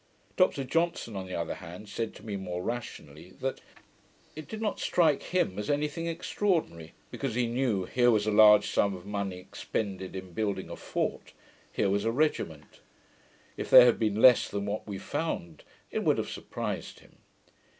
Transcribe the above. Dr Johnson, on the other hand, said to me more rationally, that it did not strike HIM as any thing extraordinary; because he knew, here was a large sum of money expended in building a fort; here was a regiment. If there had been less than what we found, it would have surprized him.